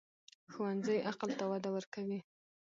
ښوونځی عقل ته وده ورکوي